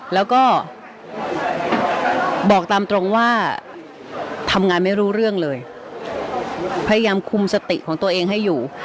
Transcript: แล้วก็บอกตามตรงว่าทำงานไม่รู้เรื่องเลยพยายามคุมสติของตัวเองให้อยู่